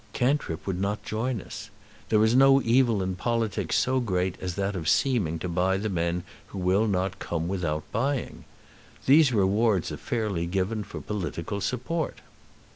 "Cantrip would not join us. There is no evil in politics so great as that of seeming to buy the men who will not come without buying. These rewards are fairly given for political support."